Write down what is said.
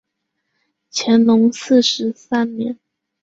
乾隆四十三年。